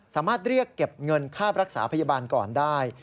สามารถเรียกเก็บเงินค่ารักษาพยาบาลก่อนได้